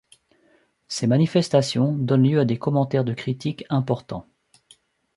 Ces manifestations donnent lieu à des commentaires de critiques importants.